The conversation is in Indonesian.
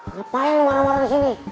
ngapain lu marah marah disini